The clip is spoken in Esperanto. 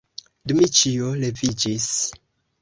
Dmiĉjo leviĝis.